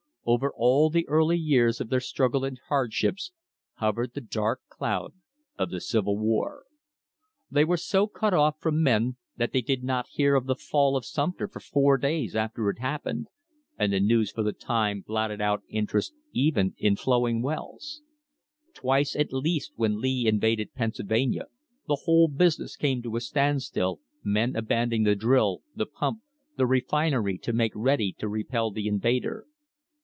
Over all the early years of their struggle and hardships hovered the dark cloud of the Civil THE BIRTH OF AN INDUSTRY War. They were so cut off from men that they did not hear of the fall of Sumter for four days after it happened, and the news for the time blotted out interest even in flowing wells. Twice at least when Lee invaded Pennsylvania the whole business came to a stand still, men abandoning the drill, the pump, the refinery to make ready to repel the invader.